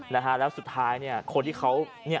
แล้วสุดท้ายเนี่ยคนที่เขา